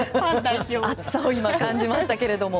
熱さを感じましたけれども。